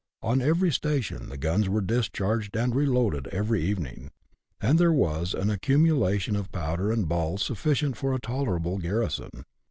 On every station the guns were discharged and reloaded every evening, and there was an accumulation of powder and ball sufficient for a tolerable garrison.